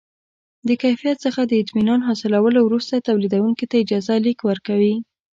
د کیفیت څخه د اطمینان حاصلولو وروسته تولیدوونکي ته اجازه لیک ورکوي.